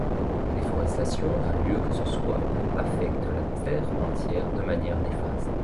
La déforestation d’un lieu que ce soit affect la terre entière de manière néfaste.